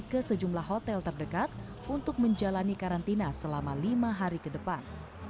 wna juga mencoba menolak perpindahan hotel terdekat untuk menjalani karantina selama lima hari ke depan